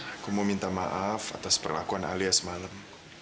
aku mau minta maaf atas perlakuan alia semalam